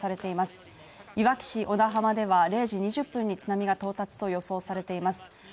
いわき市小名浜では０時２０分に津波が到達と予想されています。